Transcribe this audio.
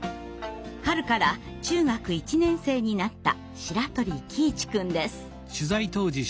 春から中学１年生になった白鳥喜一くんです。